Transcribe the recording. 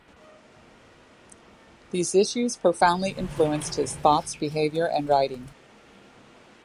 These issues profoundly influenced his thoughts, behaviour, and writing.